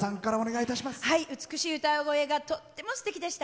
美しい歌声がとっても、すてきでした。